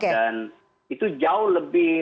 dan itu jauh lebih